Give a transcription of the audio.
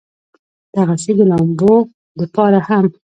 دغسې د لامبلو د پاره هم